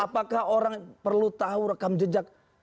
apakah orang perlu tahu rekam jejak